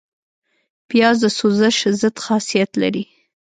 پیاز د سوزش ضد خاصیت لري